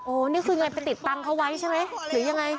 นี่คือไงไปติดตังค์เขาไว้ใช่ไหมหรือยังไง